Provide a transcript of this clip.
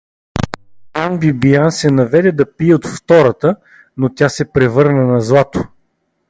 Ян Бибиян се наведе да пие от втората, но тя се превърна на злато.